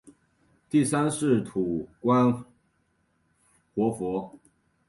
第三世土观活佛。